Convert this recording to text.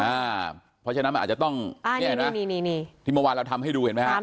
เพราะฉะนั้นมันอาจจะต้องเนี่ยนะนี่ที่เมื่อวานเราทำให้ดูเห็นไหมฮะ